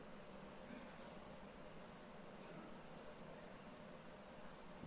saya harus dikira kira